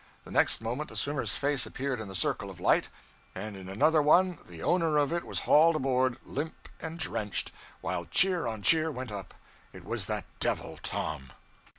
The next moment the swimmer's face appeared in the circle of light, and in another one the owner of it was hauled aboard, limp and drenched, while cheer on cheer went up. It was that devil Tom.